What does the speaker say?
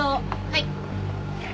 はい。